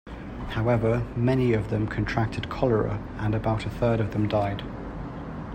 However, many of them contracted cholera, and about a third of them died.